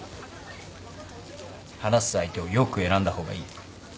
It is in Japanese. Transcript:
話す相手をよく選んだ方がいい。